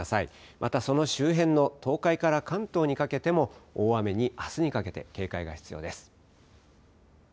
またその周辺の東海から関東にかけても大雨にあすにかけて警戒が必要です。